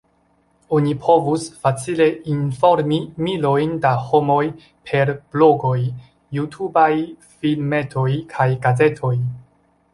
Oni povus facile informi milojn da homoj per blogoj, jutubaj filmetoj kaj gazetoj.